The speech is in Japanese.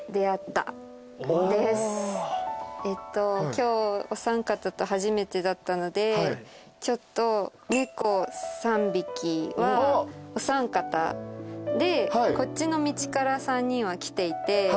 今日お三方と初めてだったのでちょっと猫３匹はお三方でこっちの道から３人は来ていてでこのタマゴケちゃんがカワイイから